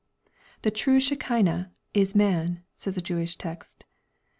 "The true Shekinah is man," says a Jewish text.